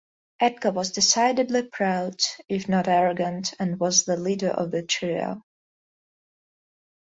Edgar was decidedly proud, if not arrogant, and was the leader of the trio.